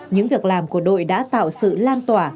những việc làm của đội đã tạo sự lan tỏa